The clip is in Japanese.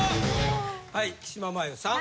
はい木嶋真優さん。